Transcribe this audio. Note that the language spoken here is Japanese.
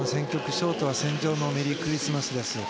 ショートは「戦場のメリークリスマス」。